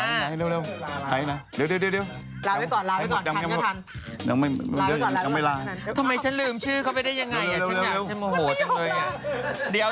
เร็วเดี๋ยว